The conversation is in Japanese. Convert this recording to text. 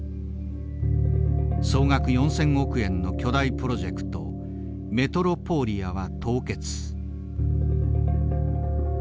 総額４，０００億円の巨大プロジェクト「メトロポーリヤ」は凍結。